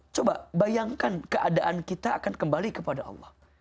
coba bayangkan keadaan kita akan kembali kepada allah